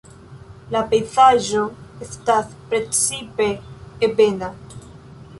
La pejzaĝo estas precipe ebena.